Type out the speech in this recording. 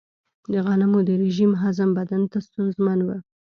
د غنمو د رژیم هضم بدن ته ستونزمن و.